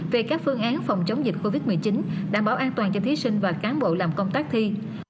về các phương án phòng chống dịch covid một mươi chín đảm bảo an toàn cho thí sinh và cán bộ làm công tác thi